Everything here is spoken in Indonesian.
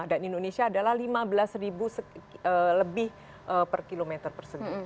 dan indonesia adalah lima belas lebih per kilometer persegi